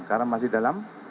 karena masih dalam